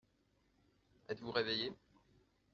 Êtes-vous réveillé ?